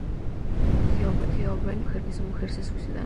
Goebbels y su mujer se suicidaron.